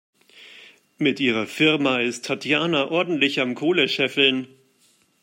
Mit ihrer Firma ist Tatjana ordentlich am Kohle scheffeln.